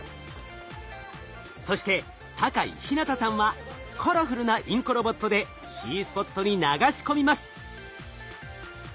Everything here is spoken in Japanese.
そして酒井陽向さんはカラフルなインコロボットでＣスポットに流し込みます。